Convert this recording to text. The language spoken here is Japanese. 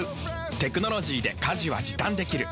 テクノロジーで家事は時短できる。